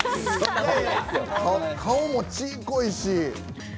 顔も、ちっこいし。